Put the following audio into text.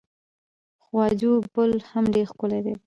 خواجو پل هم ډیر ښکلی دی.